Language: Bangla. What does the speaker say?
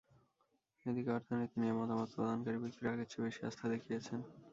এদিকে অর্থনীতি নিয়ে মতামত প্রদানকারী ব্যক্তিরা আগের চেয়ে বেশি আস্থা দেখিয়েছেন।